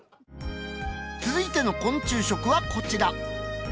続いての昆虫食はこちら。